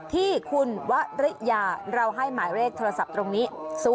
ที่คุณวริยาเราให้หมายเลขโทรศัพท์ตรงนี้๐๖๑๑๓๕๐๔๙๑